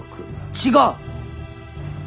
違う！